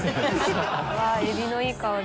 エビのいい香り。